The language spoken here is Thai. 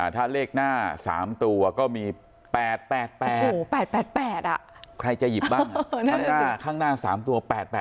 ถ้าเลขหน้า๓ตัวก็มี๘๘๘ใครจะหยิบบ้างข้างหน้า๓ตัว๘๘๘